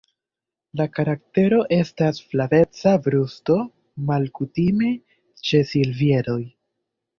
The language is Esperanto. La karaktero estas flaveca brusto malkutime ĉe silviedoj.